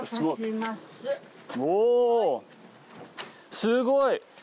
すごい！